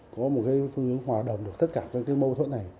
có một cái phương hướng hòa đồng được tất cả các cái mâu thuẫn này